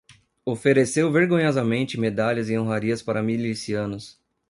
Ofereceu vergonhosamente medalhas e honrarias para milicianos